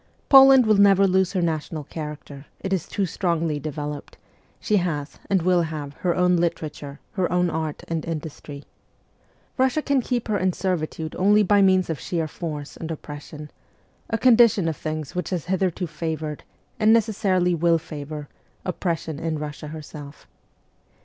Poland will never lose her national character, it is too strongly developed ; she has, and will have, her own literature, her own art and industry. Russia can keep her in servitude only by means of sheer force and oppression a condition of things which has hitherto favoured, and necessarily will favour, oppression in Russia herself.